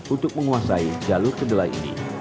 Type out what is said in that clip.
untuk menguasai jalur kedelai ini